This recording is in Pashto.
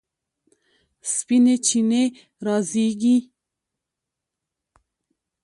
سپینې چینې رازیږي